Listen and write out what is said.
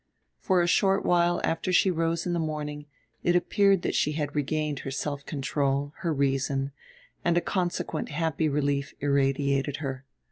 For a short while after she rose in the morning it appeared that she had regained her self control, her reason; and a consequent happy relief irradiated her.